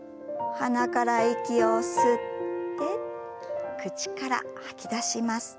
鼻から息を吸って口から吐き出します。